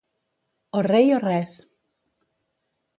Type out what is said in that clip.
O rei o res.